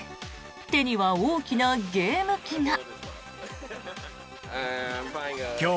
手には大きなゲーム機が。